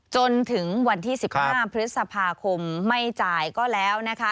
จนถึงวันที่๑๕พฤษภาคมไม่จ่ายก็แล้วนะคะ